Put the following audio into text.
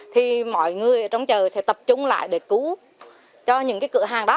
thì mọi người ở trong chợ sẽ tập trung lại để cứu cho những cái cửa hàng đó